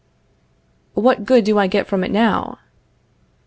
What good do I get from it now?